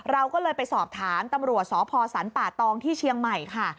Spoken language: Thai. เราก็เลยไปสอบถามตำรวจสพสรรป่าตองที่เชียงใหม่ค่ะ